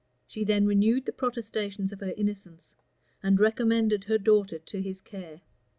She then renewed the protestations of her innocence, and recommended her daughter to his care.